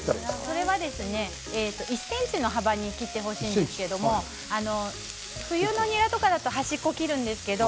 それは１ｃｍ幅に切ってほしいんですけれど冬のニラとかだと端っこを切るんですけれども